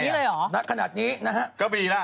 ตอนนี้เลยหรอขนาดนี้นะฮะกระบีล่ะ